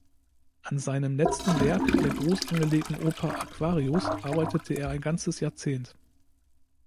An seinem letzten Werk, der groß angelegten Oper "Aquarius", arbeitete er ein ganzes Jahrzehnt.